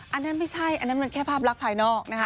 อันนั้นไม่ใช่อันนั้นมันแค่ภาพลักษณ์ภายนอกนะคะ